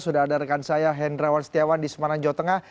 sudah ada rekan saya hendrawan setiawan di semarang jawa tengah